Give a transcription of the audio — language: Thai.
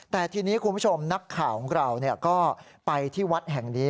แต่ทีนี้คุณผู้ชมนักข่าวของเราก็ไปที่วัดแห่งนี้